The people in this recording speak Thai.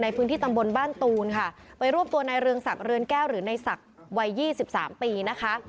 ในพื้นที่ตำบลบ้านตูนค่ะไปรวบตัวในเรืองศักดิ์เรือนแก้วหรือในศักดิ์วัยยี่สิบสามปีนะคะ